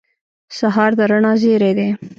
سهار د رڼا زېری دی.